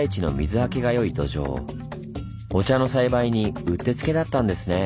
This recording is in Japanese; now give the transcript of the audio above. お茶の栽培にうってつけだったんですねぇ。